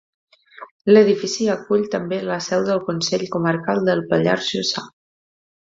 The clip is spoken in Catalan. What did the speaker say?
L’edifici acull també la seu del Consell Comarcal del Pallars Jussà.